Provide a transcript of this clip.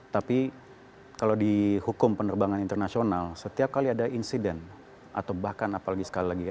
tapi kalau di hukum penerbangan internasional setiap kali ada insiden atau bahkan apalagi sekali lagi